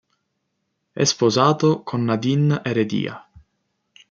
È sposato con Nadine Heredia.